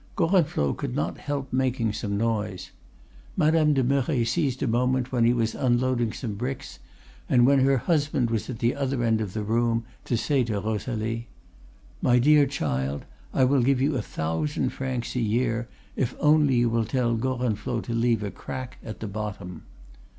Gorenflot could not help making some noise. Madame de Merret seized a moment when he was unloading some bricks, and when her husband was at the other end of the room to say to Rosalie: 'My dear child, I will give you a thousand francs a year if only you will tell Gorenflot to leave a crack at the bottom.